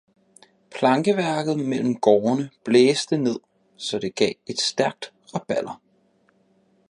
Plankeværket mellem gårdene blæste ned så det gav et stærkt rabalder